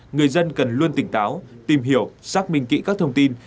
người dân cần luôn tỉnh táo tìm hiểu xác minh kỹ các thông tin